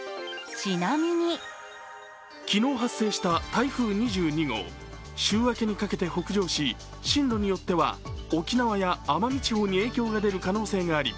昨日、発生した台風２２号週明けにかけて北上し進路によっては沖縄や奄美地方に影響が出る可能性があり、